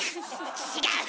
違う。